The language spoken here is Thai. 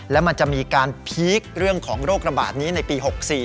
และมันจะมีการพีคเรื่องของโรคระบาดนี้ในปี๖๔